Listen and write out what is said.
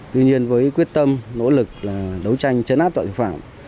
tuy nhiên với quyết tâm nỗ lực đấu tranh chấn áp tội phạm